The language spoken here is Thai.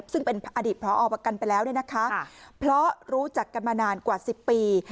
ซึ่งเป็นอดีตพอประกันไปแล้วเนี่ยนะคะเพราะรู้จักกันมานานกว่า๑๐ปี